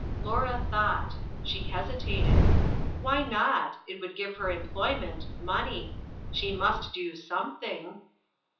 Laura thought. She hesitated. Why not? It would give her employment, money. She must do something.